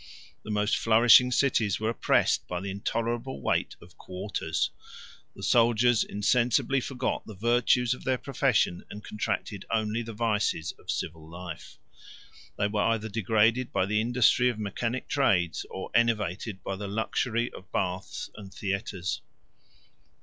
The most flourishing cities were oppressed by the intolerable weight of quarters. The soldiers insensibly forgot the virtues of their profession, and contracted only the vices of civil life. They were either degraded by the industry of mechanic trades, or enervated by the luxury of baths and theatres.